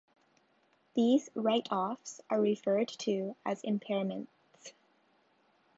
These write-offs are referred to as impairments.